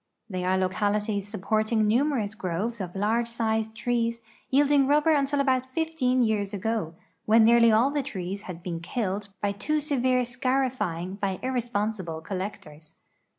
They are localities supporting numer ous groves of large sized trees yielding rubl)er until about fifteen years ago, when nearly all the trees bad Ijcen killed by too severe scarifying by irresponsible collectors.